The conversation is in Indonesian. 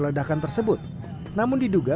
ledakan tersebut namun diduga